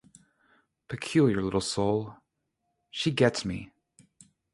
Peculiar little soul — she gets me.